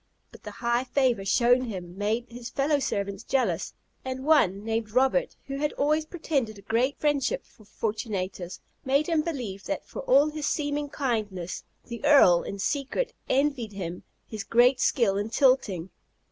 But the high favour shown him made his fellow servants jealous, and one, named Robert, who had always pretended a great friendship for Fortunatus, made him believe that for all his seeming kindness, the Earl, in secret, envied him his great skill in tilting.